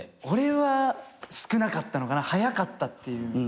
俺は少なかったのかな早かったっていう。